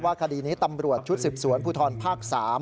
คดีนี้ตำรวจชุดสืบสวนภูทรภาค๓